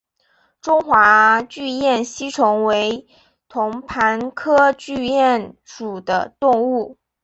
中华巨咽吸虫为同盘科巨咽属的动物。